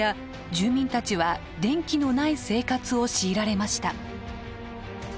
住民たちは電気のない生活を強いられました。